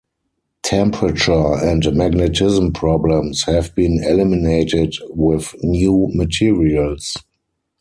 Temperature and magnetism problems have been eliminated with new materials.